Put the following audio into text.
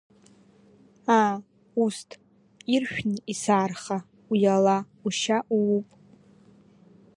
Аа, усҭ, иршәны исаарха, уиала ушьа ууп!